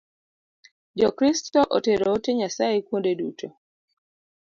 Jo Kristo otero ote Nyasaye kuonde duto